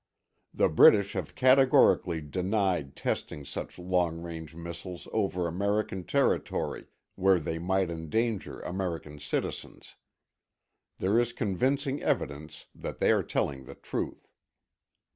The British have categorically denied testing such long range missiles over American territory, where they might endanger American citizens. There is convincing evidence that they are telling the truth.